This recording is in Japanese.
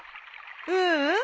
ううん。